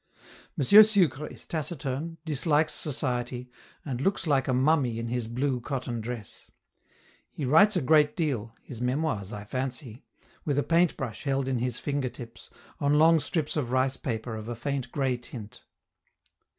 M. Sucre is taciturn, dislikes society, and looks like a mummy in his blue cotton dress. He writes a great deal (his memoirs, I fancy), with a paint brush held in his fingertips, on long strips of rice paper of a faint gray tint.